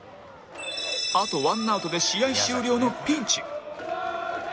あとワンアウトで試合終了のピンチ